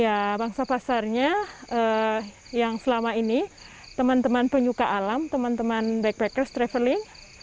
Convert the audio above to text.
ya bangsa pasarnya yang selama ini teman teman penyuka alam teman teman backpackers traveling